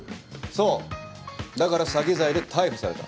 そうだから詐欺罪で逮捕された。